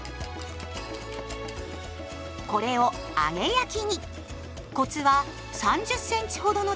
これを揚げ焼きに。